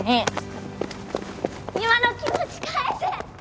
今の気持ち返せ！